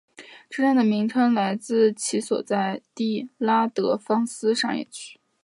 车站的名称来自其所在地拉德芳斯商业区。